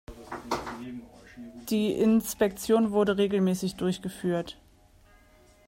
Die Inspektion wurde regelmäßig durchgeführt.